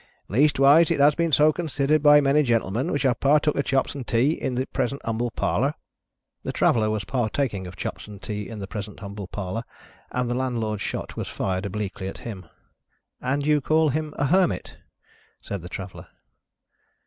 "Leastwise it has been so considered by many gentlemen which have partook of chops and tea in the present humble parlour." The Traveller was partaking of chops and tea in the present humble parlour, and the Landlord's shot was fired obliquely at him. "And you call him a Hermit?" said the Traveller.